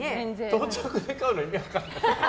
到着で買うの意味分かんない。